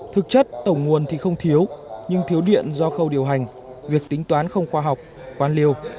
thực chất tổng nguồn thì không thiếu nhưng thiếu điện do khâu điều hành việc tính toán không khoa học quan liêu